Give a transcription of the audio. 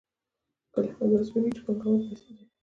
کله داسې هم پېښېږي چې پانګوال پیسې لري